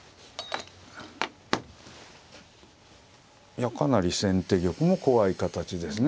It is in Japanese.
いやかなり先手玉も怖い形ですね。